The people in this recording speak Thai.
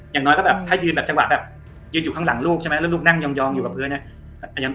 อย่างน้อยก็แบบถ้ายืนแบบจังหวะแบบยืนอยู่ข้างหลังลูกใช่ไหมแล้วลูกนั่งยองอยู่กับพื้นเนี่ย